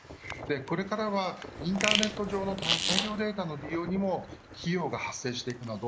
これからは、インターネット上の大量データの利用にも費用が発生していくなど